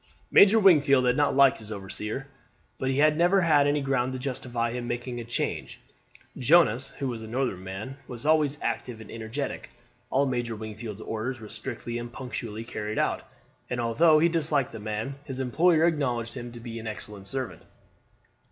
Major Wingfield had not liked his overseer, but he had never had any ground to justify him making a change. Jonas, who was a Northern man, was always active and energetic; all Major Wingfield's orders were strictly and punctually carried out, and although he disliked the man, his employer acknowledged him to be an excellent servant.